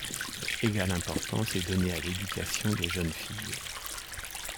Égale importance est donnée à l’éducation des jeunes filles.